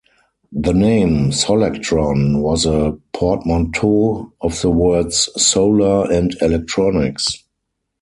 The name "Solectron" was a portmanteau of the words "solar" and "electronics".